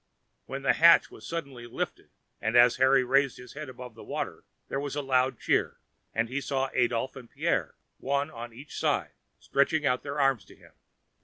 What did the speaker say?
Then the hatch was suddenly lifted, and as Harry raised his head above water there was a loud cheer, and he saw Adolphe and Pierre, one on each side, stretch out their arms to him.